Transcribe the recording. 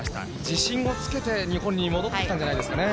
自信をつけて日本に戻ってきたんじゃないですかね。